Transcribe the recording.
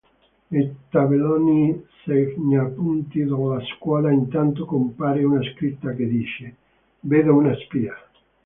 Nei tabelloni segnapunti della scuola, intanto, compare una scritta che dice "Vedo una spia".